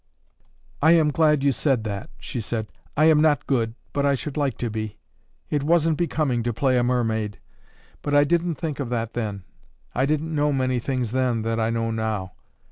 "I am glad you said that," she said. "I am not good, but I should like to be. It wasn't becoming to play a mermaid, but I didn't think of that then. I didn't know many things then that I know now.